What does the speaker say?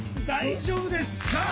大丈夫ですか？